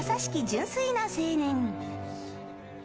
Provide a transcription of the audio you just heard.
純粋な青年。